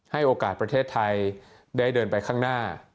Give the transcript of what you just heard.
ให้โอกาสประเทศไทยได้เดินไปข้างหน้า